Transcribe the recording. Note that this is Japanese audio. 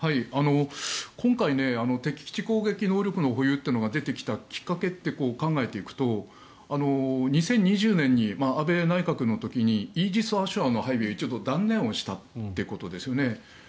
今回、敵基地攻撃能力の保有というのが出てきたきっかけって考えていくと２０２０年に安倍内閣の時にイージス・アショアの配備を断念したということですよね。